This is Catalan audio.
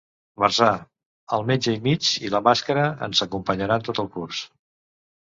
Marzà: ‘El metre i mig i la màscara ens acompanyaran tot el curs’